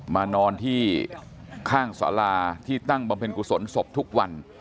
มานอนที่ข้างสาราที่ตั้งบำเพ็ญกุศลศพทุกวัน